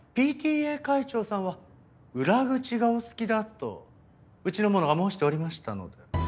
ＰＴＡ会長さんは裏口がお好きだとうちの者が申しておりましたので。